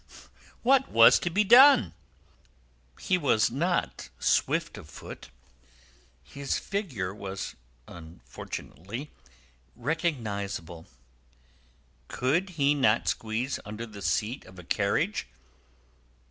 What was to be done? He was not swift of foot; his figure was unfortunately recognisable. Could he not squeeze under the seat of a carriage?